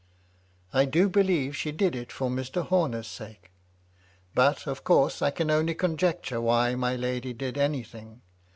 I do believe she did it for Mr. Homer's sake ; but, of course, I can only conjecture why my lady did anything.